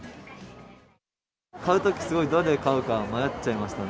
買うとき、すごい、どれ買うか迷っちゃいましたね。